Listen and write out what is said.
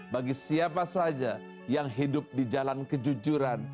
bagi siapa saja yang hidup di jalan kejujuran